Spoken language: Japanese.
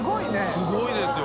すごいですよ